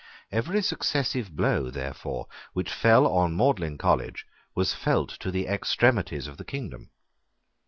Every successive blow, therefore, which fell on Magdalene College, was felt to the extremities of the kingdom.